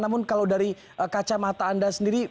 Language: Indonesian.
namun kalau dari kacamata anda sendiri